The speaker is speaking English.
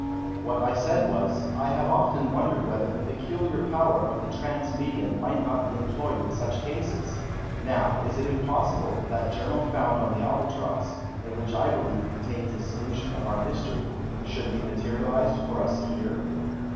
What I said was, "I have often wondered whether the peculiar power of the trance medium might not be employed in such cases. Now, is it impossible that that journal found on the Albatross, and which I believe contains the solution of our mystery, should be materialized for us here?"